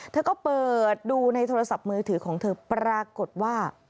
เธอก็เปิดดูในโทรศัพท์มือถือของเธอปรากฏว่า